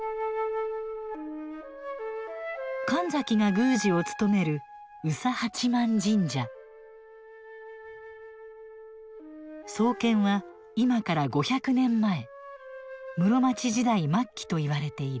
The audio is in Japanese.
神崎が宮司を務める創建は今から５００年前室町時代末期といわれている。